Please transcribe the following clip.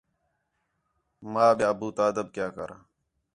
ماں ٻیا ابو تا ادب کیا کر